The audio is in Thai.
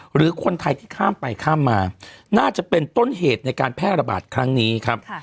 หรือคนไทยที่ข้ามไปข้ามมาน่าจะเป็นต้นเหตุในการแพร่ระบาดครั้งนี้ครับ